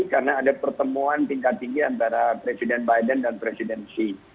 karena ada pertemuan tingkat tinggi antara presiden biden dan presiden xi